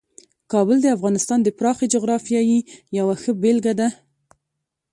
کابل د افغانستان د پراخې جغرافیې یوه ښه بېلګه ده.